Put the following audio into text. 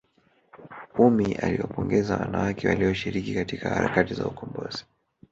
ummy aliwapongeza wanawake waliyoshiriki katika harakati za ukombozi